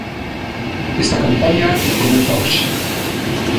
Esta campaña comeza hoxe.